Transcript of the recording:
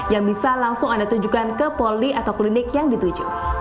yang bisa langsung anda tunjukkan ke poli atau klinik yang dituju